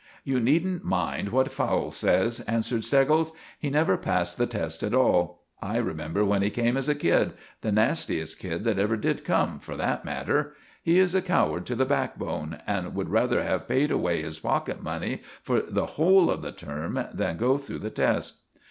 "You needn't mind what Fowle says," answered Steggles; "he never passed the test at all. I remember when he came as a kid—the nastiest kid that ever did come, for that matter. He is a coward to the backbone, and would rather have paid away his pocket money for the whole of the term than go through the test."